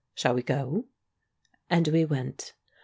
Shall we go?" And we went.